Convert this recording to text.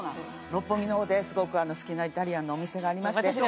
六本木の方ですごく好きなイタリアンのお店がありまして。